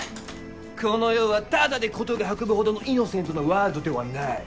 この世はタダで事が運ぶほどのイノセントなワールドではない。